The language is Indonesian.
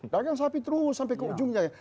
dagang sapi terus sampai ke ujungnya ya